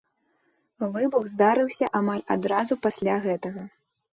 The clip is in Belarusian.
Выбух здарыўся амаль адразу пасля гэтага.